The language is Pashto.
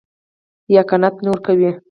يا قناعت نه ورکوي.